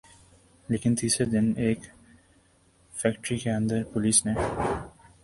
لیکن تیسرے دن ایک فیکٹری کے اندر پولیس نے